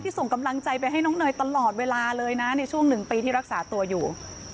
ส่งกำลังใจไปให้น้องเนยตลอดเวลาเลยนะในช่วง๑ปีที่รักษาตัวอยู่